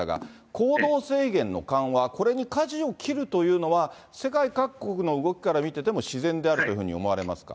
行動制限の緩和、これにかじを切るというのは、世界各国の動きから見てても、自然であるというふうに思われますか。